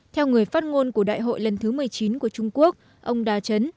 theo người phát ngôn của đại hội lần thứ một mươi chín của trung quốc ông đà trấn